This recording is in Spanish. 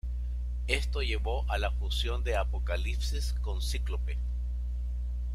Esto llevó a la fusión de Apocalipsis con Cíclope.